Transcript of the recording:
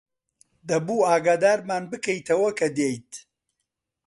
دەبوو ئاگادارمان بکەیتەوە کە دێیت.